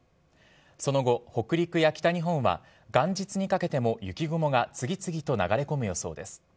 その後、北陸や北日本は、元日にかけても雪雲が次々と流れ込む予想です。